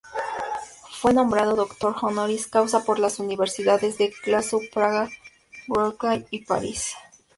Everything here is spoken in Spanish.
Fue nombrado Doctor honoris causa por la universidades de Glasgow, Praga, Wroclaw y París.